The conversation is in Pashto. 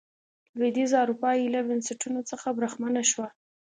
لوېدیځه اروپا ایله بنسټونو څخه برخمنه شوه.